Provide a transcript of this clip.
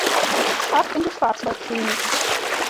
Ab in die Schwarzwaldklinik!